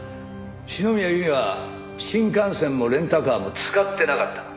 篠宮由美は新幹線もレンタカーも使ってなかった。